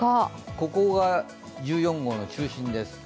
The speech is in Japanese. ここが１４号の中心です。